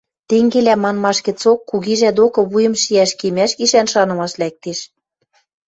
Тенгелӓ манмаш гӹцок кугижӓ докы вуйым шиӓш кемӓш гишӓн шанымаш лӓктеш.